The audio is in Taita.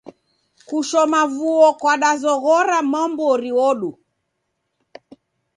Kushoma vuo kudazoghora mwambori wodu.